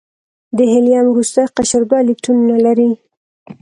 د هیلیم وروستی قشر دوه الکترونونه لري.